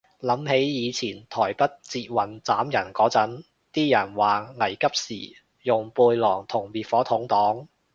諗起以前台北捷運斬人嗰陣，啲人話危急時用背囊同滅火筒擋